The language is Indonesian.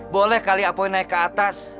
boleh kali apoy naik ke atas